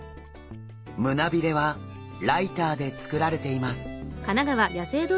胸鰭はライターで作られています。